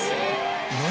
何？